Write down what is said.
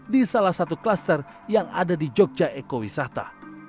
di salah satu klaster yang ada di jogja eko wisata